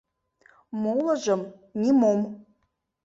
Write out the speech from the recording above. — Молыжым — нимом.